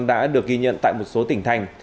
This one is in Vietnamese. đã được ghi nhận tại một số tỉnh thành